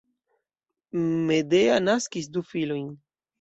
Medea naskis du filojn.